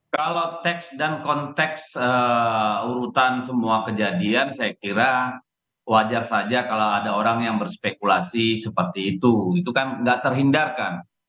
kalau teks dan konteks urutan semua kejadian saya kira wajar saja kalau ada orang yang berspekulasi seperti itu itu kan nggak terhindarkan